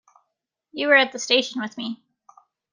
You were at the station with me.